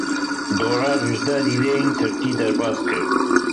Dolar hejdeh lîreyên tirkî derbas kir.